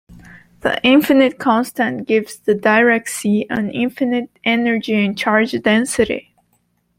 The infinite constant gives the Dirac sea an infinite energy and charge density.